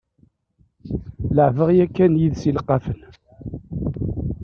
Leɛbeɣ yakan yid-s ileqqafen.